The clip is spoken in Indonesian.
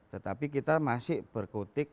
tetapi kita masih berkutik